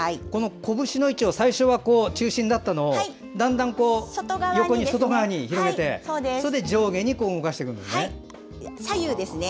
こぶしの位置を最初は中心だったのをだんだん、外側に広げてそれで上下に動かしていくんですね。